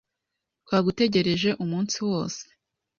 Twagutegereje umunsi wose.